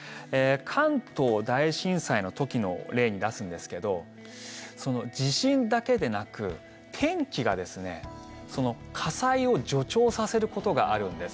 関東大震災の時のを例に出すんですけど地震だけでなく、天気が火災を助長させることがあるんです。